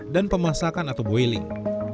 dan pemasakan atau boiling